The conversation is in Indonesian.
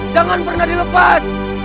jangan pernah dilepas